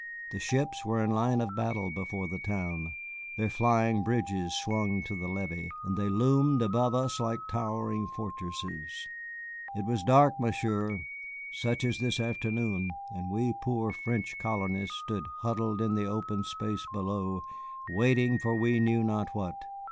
The ships were in line of battle before the town, their flying bridges swung to the levee, and they loomed above us like towering fortresses. It was dark, Monsieur, such as this afternoon, and we poor French colonists stood huddled in the open space below, waiting for we knew not what."